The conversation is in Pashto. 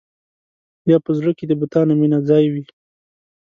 یا په زړه کې د بتانو مینه ځای وي.